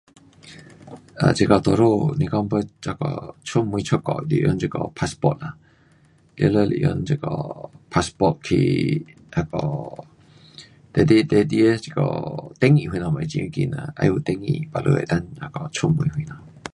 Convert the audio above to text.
um 这下多数是说要出门出国旅行要用这个 passport ah 全部是用这个 passport 去那个拿你的你的这个登记什么的很要紧啦。要有登记 baru 能够那个出门什么。